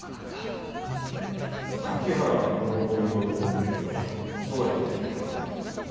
柿原伸緒という男の身分はどうやって手に入れた？